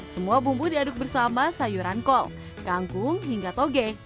semua bumbu diaduk bersama sayuran kol kangkung hingga toge